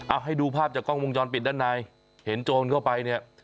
เอาให้ดูภาพจากกล้องวงจรปิดด้านในเห็นโจรเข้าไปเนี่ย